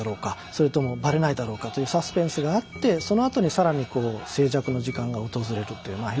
それともバレないだろうか」というサスペンスがあってそのあとに更に静寂の時間が訪れるというまあ